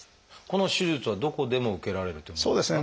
この手術はどこでも受けられるっていうものですか？